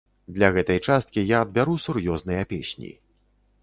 Для гэтай часткі я адбяру сур'ёзныя песні.